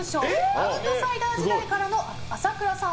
アウトサイダー時代からの朝倉さん